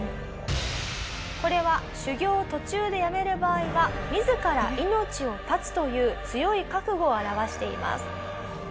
これは修行を途中でやめる場合は自ら命を絶つという強い覚悟を表しています。